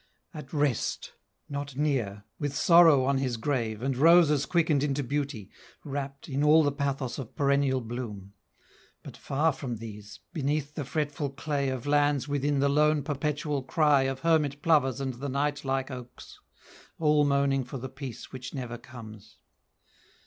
At rest! Not near, with Sorrow on his grave, And roses quickened into beauty wrapt In all the pathos of perennial bloom; But far from these, beneath the fretful clay Of lands within the lone perpetual cry Of hermit plovers and the night like oaks, All moaning for the peace which never comes.